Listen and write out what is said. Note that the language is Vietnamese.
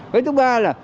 cái thứ ba là